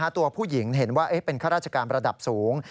ตัวผู้หญิงเห็นว่าเป็นข้าราชการระดับสูง